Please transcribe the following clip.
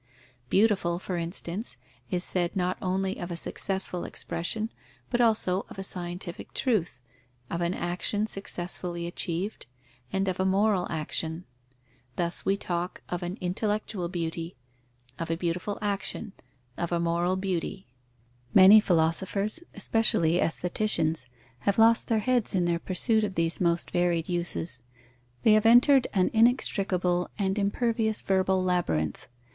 Beautiful, for instance, is said not only of a successful expression, but also of a scientific truth, of an action successfully achieved, and of a moral action: thus we talk of an intellectual beauty, of a beautiful action, of a moral beauty. Many philosophers, especially aestheticians, have lost their heads in their pursuit of these most varied uses: they have entered an inextricable and impervious verbal labyrinth.